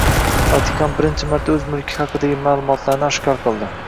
Vatikan birinchi marta o‘z mulki haqidagi ma’lumotlarni oshkor qildi